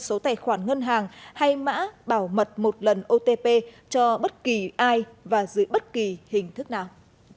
số tài khoản ngân hàng hay mã bảo mật một lần otp cho bất kỳ ai và dưới bất kỳ hình thức nào